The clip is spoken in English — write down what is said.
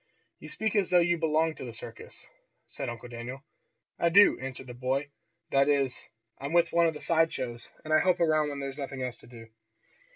"You speak as though you belonged to the circus," said Uncle Daniel. "I do," answered the boy. "That is, I'm with one of the side shows, and I help around when there's nothing else to do."